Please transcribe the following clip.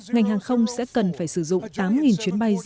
ngành hàng không sẽ cần phải sử dụng tám chuyến bay